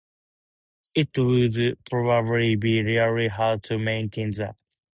It would probably be really hard to maintain that.